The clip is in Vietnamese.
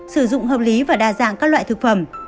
sử dụng hợp lý và đa dạng các loại thực phẩm